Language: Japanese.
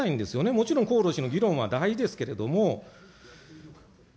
もちろん公労使の議論は大事ですけれども。